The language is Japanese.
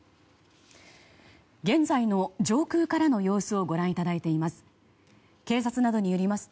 現在の上空からの様子をご覧いただいています。